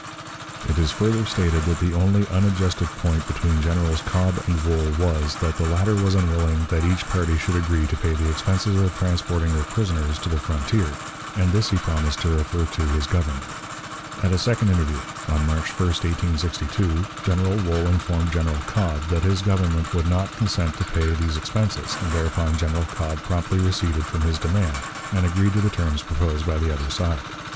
It is further stated that the only unadjusted point between Generals Cobb and Wool was, that the latter was unwilling that each party should agree to pay the expenses of transporting their prisoners to the frontier, and this he promised to refer to his Government. At a second interview, on March 1, 1862, General Wool informed General Cobb that his Government would not consent to pay these expenses, and thereupon General Cobb promptly receded from his demand, and agreed to the terms proposed by the other side.